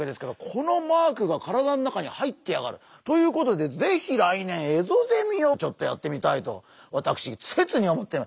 このマークが体の中に入ってやがる。ということでぜひ来年エゾゼミをちょっとやってみたいと私切に思ってる。